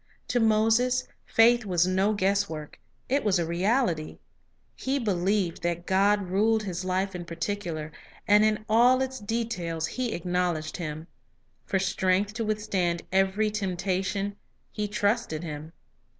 To Moses faith was no guesswork; it was a reality. Power He believed that God ruled his life in particular; and Fajtll in all its details he acknowledged Him. For strength to withstand every temptation, he trusted in Him.